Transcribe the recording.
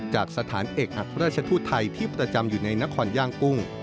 จากสถานเอกอัครราชทูตไทยที่ประจำอยู่ในนครย่างกุ้ง